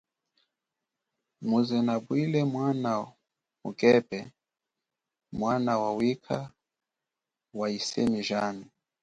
Muze nabwile mwana mukepe mwana wa wikha wa yisemi jami.